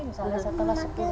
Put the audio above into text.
misalnya satu lagi